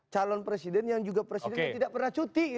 calon presiden yang juga presiden yang tidak pernah cuti